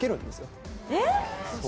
えっ！